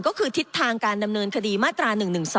ก็คือทิศทางการดำเนินคดีมาตรา๑๑๒